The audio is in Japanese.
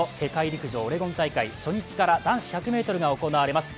陸上オレゴン大会、初日から男子１００ｍが行われます。